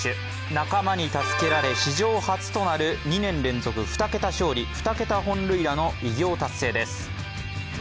仲間に助けられ、史上初となる２年連続２桁勝利、２桁本塁打の偉業達成です。